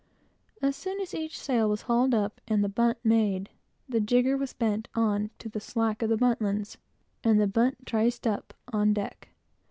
As soon as each sail was hauled up and the bunt made, the jigger was bent on to the slack of the buntlines, and the bunt triced up, on deck.